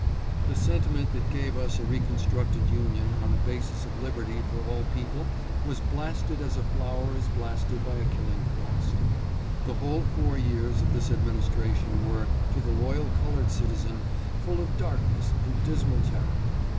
The sentiment that gave us a reconstructed Union on a basis of liberty for all people was blasted as a flower is blasted by a killing frost. The whole four years of this administration were, to the loyal colored citizen, full of 650 TIME OF GLOOM FOR THE COLORED PEOPLE. darkness and dismal terror.